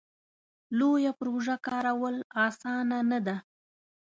لویه پروژه کارول اسانه نه ده.